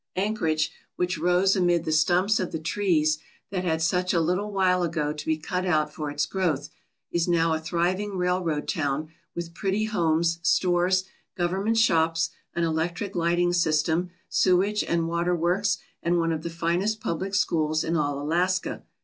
Anchorage, which rose amid the stumps of the trees that had such a little while ago to be cut out for its growth, is now a thriving railroad town with pretty homes, stores, government shops, an electric lighting system, sewerage and waterworks, and one of the finest public schools in all Alaska.